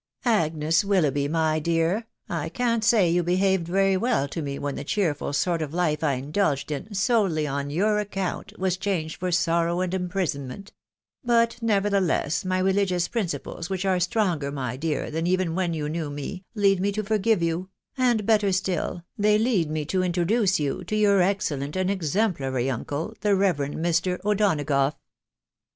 Agnes Willoughby, my dear, I can't say you behaved very well to me when the cheerful sort of life I indulged in, solely on your account, was changed for sorrow and imprisonment ; but, nevertheless, my religious principles, which are stronger, my dear, than even when you knew me, lead me to forgive you, and, better still, they lead me to introduce you to your excellent and exemplary uncle, the Reverend Mr. O'Donagough."